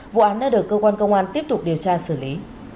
vụ án đã được cơ quan công an tiếp tục điều tra xử lý